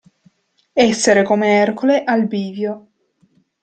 Essere come Ercole al bivio.